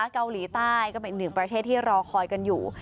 เกาหลีใต้ก็เป็นอีกหนึ่งประเทศที่รอคอยกันอยู่